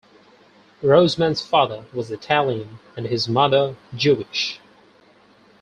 Rossman's father was Italian, and his mother Jewish.